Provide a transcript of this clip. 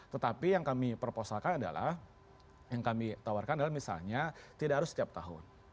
tetapi yang kami proposalkan adalah misalnya tidak harus setiap tahun